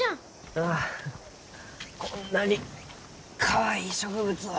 ああこんなにかわいい植物を。